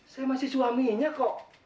saya masih suaminya kok